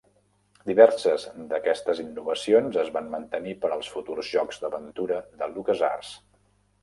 Diverses d'aquestes innovacions es van mantenir per als futurs jocs d'aventura de LucasArts.